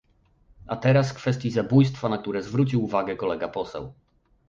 A teraz w kwestii zabójstwa, na które zwrócił uwagę kolega poseł